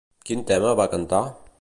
Quin tema va cantar?